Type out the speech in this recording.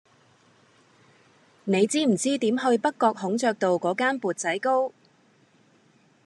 你知唔知點去北角孔雀道嗰間缽仔糕